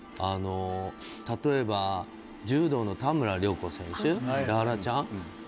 例えば、柔道の田村亮子選手やわらちゃん